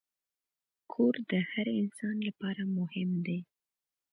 کور د هر انسان لپاره مهم دی.